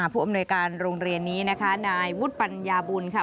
ผู้อำนวยการโรงเรียนนี้นะคะนายวุฒิปัญญาบุญค่ะ